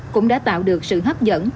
cũng đã tạo được sự hấp dẫn